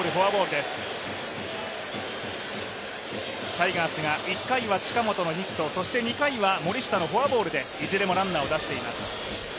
タイガースが１回は近本のヒット、２回は森下のフォアボールでいずれもランナーを出しています。